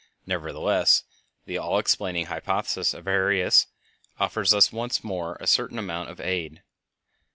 Nevertheless, the all explaining hypothesis of Arrhenius offers us once more a certain amount of aid.